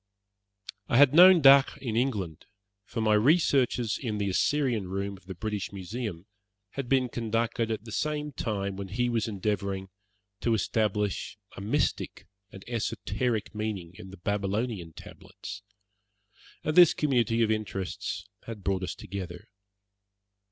I had known Dacre in England, for my researches in the Assyrian Room of the British Museum had been conducted at the time when he was endeavouring to establish a mystic and esoteric meaning in the Babylonian tablets, and this community of interests had brought us together.